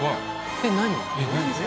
えっ何？